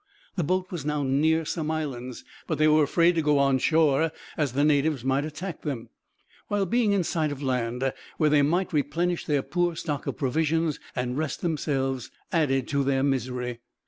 The boat was now near some islands, but they were afraid to go on shore, as the natives might attack them; while being in sight of land, where they might replenish their poor stock of provisions and rest themselves, added to their misery.